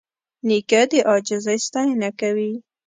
نیکه د عاجزۍ ستاینه کوي.